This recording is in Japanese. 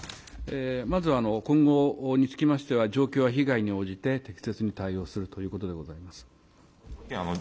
まず、今後につきましては、状況や被害に応じて適切に対応するということでございます。